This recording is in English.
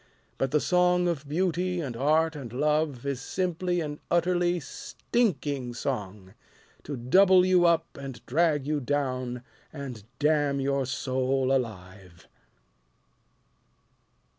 But the song of Beauty and Art and Love Is simply an utterly stinking song, To double you up and drag you down And damn your soul alive.